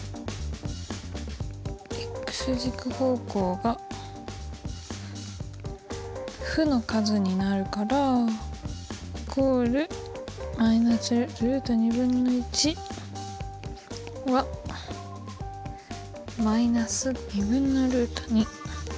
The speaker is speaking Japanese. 軸方向が負の数になるから＝−ルート２分の１は−２分のルート２。